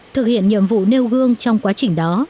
thực hiện nhiệm vụ nêu gương trong quá trình đó